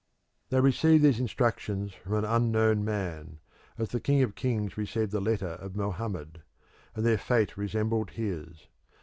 They received these instructions from an unknown man, as the King of Kings received the letter of Mohammed, and their fate resembled his.